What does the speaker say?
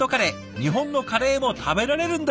日本のカレーも食べられるんですって！